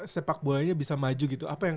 sepak bolanya bisa maju gitu apa yang